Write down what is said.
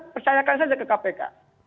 percayakan saja ke kpk